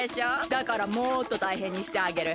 だからもっとたいへんにしてあげる！